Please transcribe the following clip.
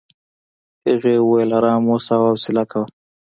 هغې وویل ارام اوسه او حوصله کوه.